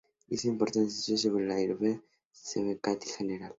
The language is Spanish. Hizo importantes estudios sobre Indoeuropeo y Semántica general.